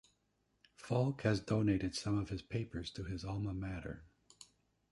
Faulk has donated some of his papers to his alma mater.